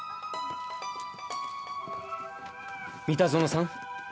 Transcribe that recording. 三田園さん。